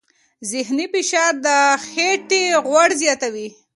ذهني فشار د خېټې غوړ زیاتوي.